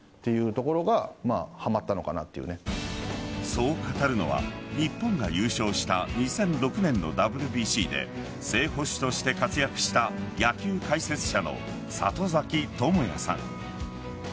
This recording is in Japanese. そう語るのは日本が優勝した２００６年のＷＢＣで正捕手として活躍した野球解説者の里崎智也さん。